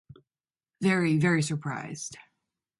Very, very surprised.